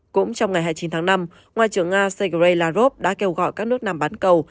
cũng trong ngày hai mươi chín tháng năm ngoại trưởng nga sergei lavrov đã kêu gọi các nước nam bán cầu